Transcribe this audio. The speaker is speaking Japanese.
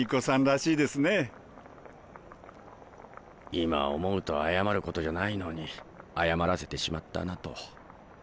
今思うと謝ることじゃないのに謝らせてしまったなと。